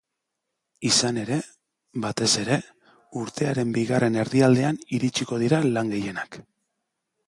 Izan ere, batez ere, urtearen bigarren erdialdean iritsiko dira lan gehienak.